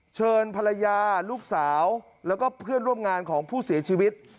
เชิญภรรยาลูกสาวแล้วก็เพื่อนร่วมงานของผู้เสียชีวิต